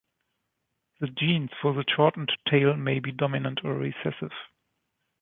The genes for the shortened tail may be dominant or recessive.